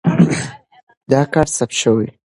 دا کار ثبت شوی دی.